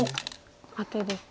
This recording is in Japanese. アテですね。